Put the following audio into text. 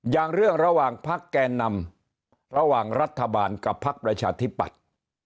อย่างเรื่องระหว่างพักแกนนำระหว่างรัฐบาลกับพักประชาธิปัตย์